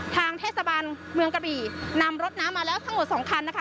ทางเทศบาลเมืองกระบี่นำรถน้ำมาแล้วทั้งหมดสองคันนะคะ